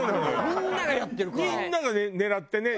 みんなが狙ってね。